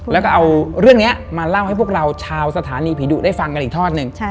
แล้วก็เอาเรื่องนี้มาเล่าให้พวกเราชาวสถานีผีดุได้ฟังกันอีกทอดหนึ่ง